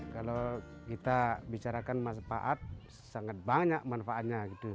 kalau kita bicarakan masyarakat sangat banyak manfaatnya